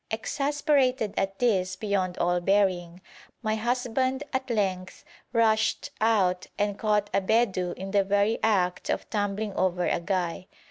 Exasperated at this beyond all bearing, my husband at length rushed out and caught a Bedou in the very act of tumbling over a guy.